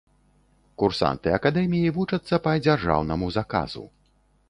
Курсанты акадэміі вучацца па дзяржаўнаму заказу.